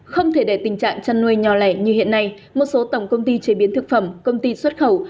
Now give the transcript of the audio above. không thể để tình trạng chăn nuôi nhỏ lẻ như hiện nay một số tổng công ty chế biến thực phẩm công ty xuất khẩu